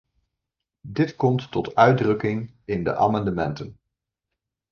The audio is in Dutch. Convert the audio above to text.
Dit komt tot uitdrukking in de amendementen.